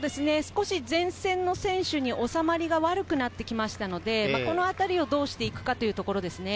前線の選手に収まりが悪くなってきたので、このあたりをどうしていくかというところですね。